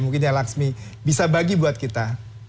mungkin ya laksmi bisa bagi buat kita